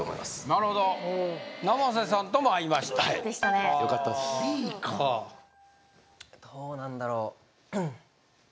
なるほど生瀬さんとも合いましたよかったですどうなんだろう？